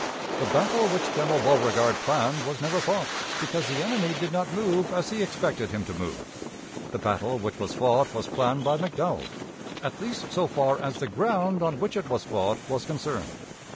The battle which General Beauregard planned was never fought, because the enemy did not move as he expected him to move. The battle which was fought was planned by McDowell, at least so far as the ground on which it was fought was concerned.